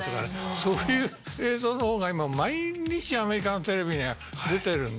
そういう映像の方が今毎日アメリカのテレビには出てるんでね。